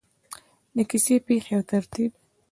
د کیسې پیښې او ترتیب: